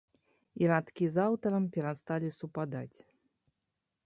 І радкі з аўтарам перасталі супадаць.